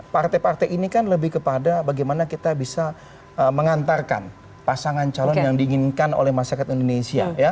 partai partai ini kan lebih kepada bagaimana kita bisa mengantarkan pasangan calon yang diinginkan oleh masyarakat indonesia